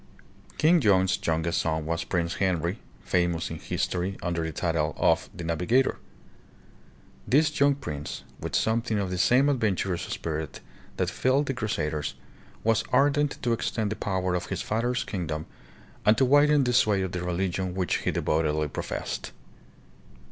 King John's youngest son was Prince Henry, famous in history under the title of "the Navigator." This young prince, with something of the same adventurous spirit that filled the Crusaders, was ardent to extend the power of his father's kingdom and to widen the sway of the religion which he devotedly professed.